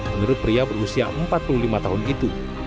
menurut pria berusia empat puluh lima tahun itu